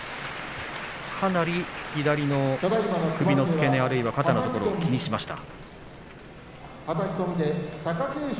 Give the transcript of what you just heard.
かなり左の首の付け根、肩のところを気にしました。